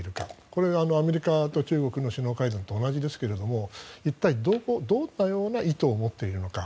これアメリカと中国の首脳会談と同じですけれども一体どういった意図を持っているのか